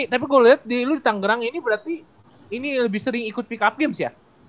tapi gua liat di lu di tanggerang ini berarti ini lebih sering ikut pick up games ya